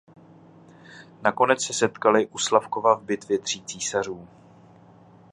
Nakonec se setkali u Slavkova v Bitvě tří císařů.